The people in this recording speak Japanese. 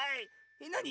えっなに？